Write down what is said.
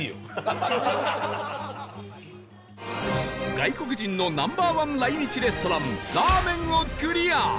外国人の Ｎｏ．１ 来日レストランラーメンをクリア